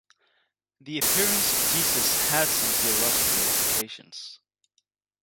The appearance of Jesus had some theological implications.